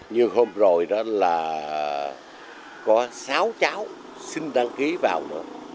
như hôm rồi đó là có sáu cháu xin đăng ký vào nữa